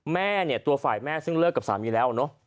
แม่เนี่ยตัวฝ่ายแม่ซึ่งเลิกกับสามีแล้วเนอะ